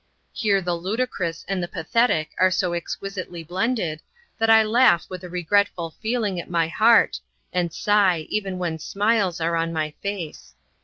Here the ludicrous and the pathetic are so exquisitely blended, that I laugh with a regretful feeling at my heart, and sigh even when smiles are on my face.